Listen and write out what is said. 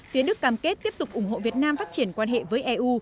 phía đức cam kết tiếp tục ủng hộ việt nam phát triển quan hệ với eu